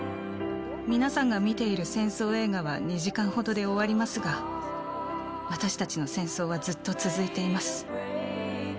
皆さんが見ている戦争映画は２時間ほどで終わりますが、私たちの戦争はずっと続いています。